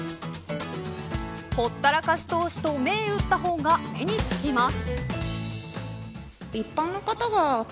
ほったらかし投資と銘打った本が目につきます。